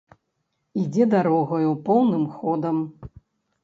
Ідзе дарогаю поўным ходам.